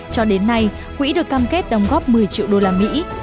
cho đến nay quỹ được cam kết đóng góp một mươi triệu đô la mỹ